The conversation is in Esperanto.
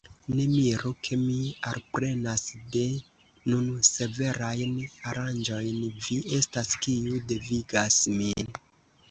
Ne miru, ke mi alprenas de nun severajn aranĝojn: vi estas, kiu devigas min.